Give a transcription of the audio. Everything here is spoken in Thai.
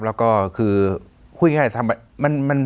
แล้วก็คือคุยกัน